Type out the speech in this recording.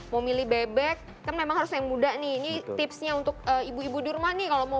mau milih bebek kan memang harus yang muda nih ini tipsnya untuk ibu ibu dirman nih kalau mau